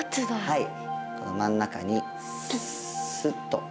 はい。